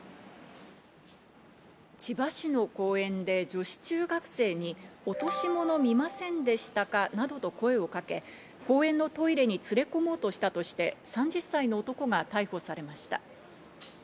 千葉市の公園で女子中学生に落し物見ませんでしたか？などと声をかけて、公園のトイレに連れ込もうとしたとして３０歳の男が逮捕されました。